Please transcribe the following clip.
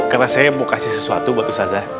karena saya mau kasih sesuatu buat ustazah